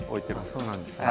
ああそうなんですね。